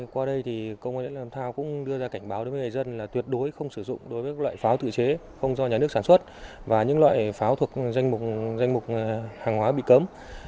qua đây thì công an làm thao cũng đưa ra cảnh báo đối với người dân là tuyệt đối không sử dụng đối với loại pháo tự chế không do nhà nước sản xuất và những loại pháo thuộc danh mục hàng hóa bị cấm